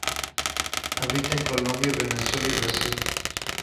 Habita en Colombia, Venezuela y Brasil.